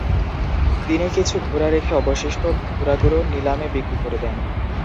তিনি কিছু ঘোড়া রেখে অবশিষ্ট ঘোড়াগুলো নিলামে বিক্রি করে দেন।